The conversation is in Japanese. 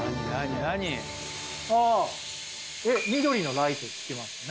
緑のライトつきましたね。